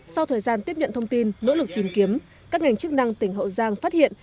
sau thời gian tiếp nhận thông tin nỗ lực tìm kiếm các ngành chức năng tỉnh hậu giang phát hiện